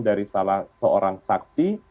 dari salah seorang saksi